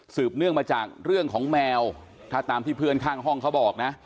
เนื่องมาจากเรื่องของแมวถ้าตามที่เพื่อนข้างห้องเขาบอกนะ